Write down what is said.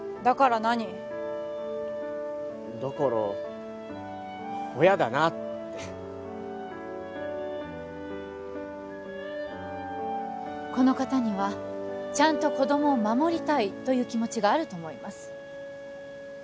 だから親だなあってこの方にはちゃんと子供を守りたいという気持ちがあると思います